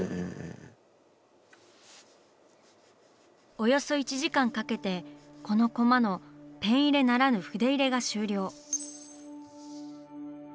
およそ１時間かけてこのコマのペン入れならぬ筆入れが終了。